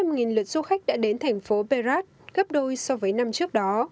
năm hai nghìn hai mươi ba tám trăm linh lượt du khách đã đến thành phố berat gấp đôi so với năm trước đó